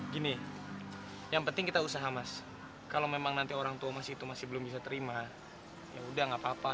gini yang penting kita usaha mas kalau memang nanti orang tua masih itu masih belum bisa terima yaudah nggak apa apa